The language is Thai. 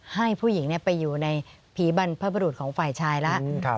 ให้ผู้หญิงไปอยู่ในผีบรรพบรุษของฝ่ายชายแล้ว